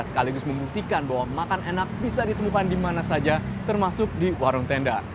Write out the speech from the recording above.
sekaligus membuktikan bahwa makan enak bisa ditemukan di mana saja termasuk di warung tenda